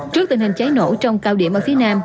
trước tình hình cháy nổ trong cao điểm ở phía nam